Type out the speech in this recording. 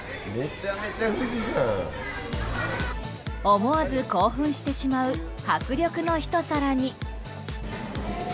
思わず興奮してしまう迫力のひと皿に。